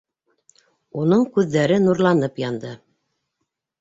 Уның күҙҙәре нурланып янды.